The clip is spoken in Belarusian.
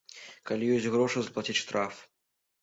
Калі ёсць грошы заплаціць штраф.